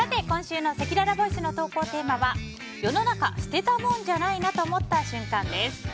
今週のせきららボイスの投稿テーマは世の中捨てたもんじゃないな！と思った瞬間です。